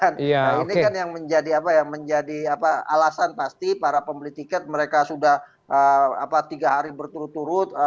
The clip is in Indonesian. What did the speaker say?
nah ini kan yang menjadi alasan pasti para pembeli tiket mereka sudah tiga hari berturut turut